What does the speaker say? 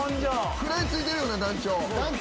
食らい付いてるよな団長。